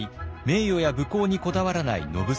名誉や武功にこだわらない野伏。